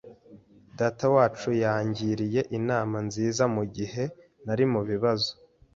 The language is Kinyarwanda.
Datawacu yangiriye inama nziza mugihe nari mubibazo.